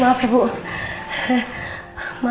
maaf saya kesiangan